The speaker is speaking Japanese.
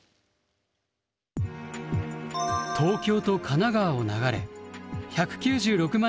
東京と神奈川を流れ１９６万